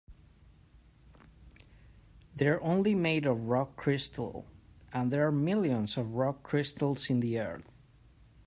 They're only made of rock crystal, and there are millions of rock crystals in the earth.